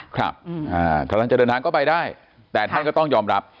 กำลังจะเดินทางก็ไปได้แต่ท่านก็ต้องยอมรับ